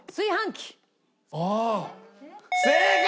正解！